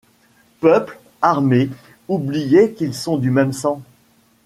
Peuple, armée, oubliaient qu'ils sont du même sang ;